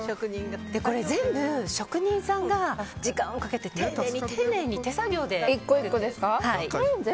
これ、全部職人さんが時間をかけて丁寧に丁寧に手作業で。